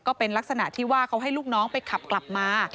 ก็เป็นลักษณะที่ว่าเขาให้ลูกน้องไปขับกลับมา